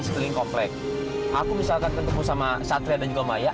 sekeliling komplek aku misalkan ketemu sama satria dan juga maya